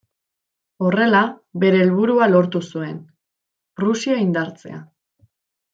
Horrela, bere helburua lortu zuen: Prusia indartzea.